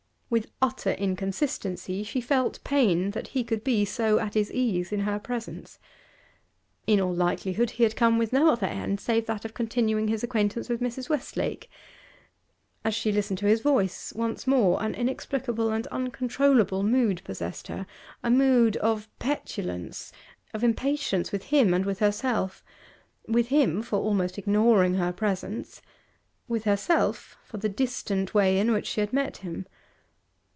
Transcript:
With utter inconsistency she felt pain that he could be so at his ease in her presence. In all likelihood he had come with no other end save that of continuing his acquaintance with Mrs. Westlake. As she listened to his voice, once more an inexplicable and uncontrollable mood possessed her a mood of petulance, of impatience with him and with herself; with him for almost ignoring her presence, with herself for the distant way in which she had met him.